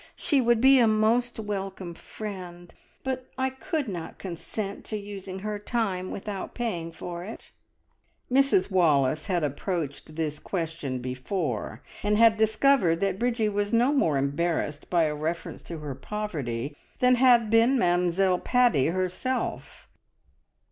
She would be a most welcome friend, but I could not consent to using her time without paying for it." Mrs Wallace had approached this question before, and had discovered that Bridgie was no more embarrassed by a reference to her poverty than had been Mamzelle Paddy herself.